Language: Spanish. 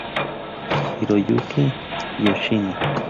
Hiroyuki Yoshino